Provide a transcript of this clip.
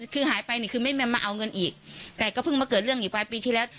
คือหายไปนี่คือไม่มาเอาเงินอีกแต่ก็เพิ่งมาเกิดเรื่องอีกปลายปีที่แล้ว